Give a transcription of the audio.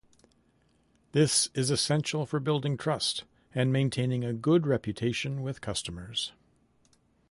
This is essential for building trust and maintaining a good reputation with customers.